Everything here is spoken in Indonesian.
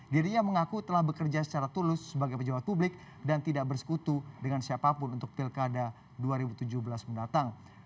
dirinya mengaku telah bekerja secara tulus sebagai pejabat publik dan tidak bersekutu dengan siapapun untuk pilkada dua ribu tujuh belas mendatang